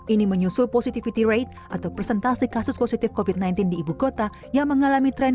ini menyusul positivity rate atau presentasi kasus positif covid sembilan belas di ibu kota yang mengalami tren